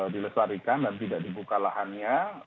dilestarikan dan tidak dibuka lahannya